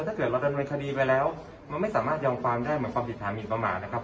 ถ้าเกิดเราดำเนินคดีไปแล้วมันไม่สามารถยอมความได้เหมือนความผิดฐานหมินประมาทนะครับ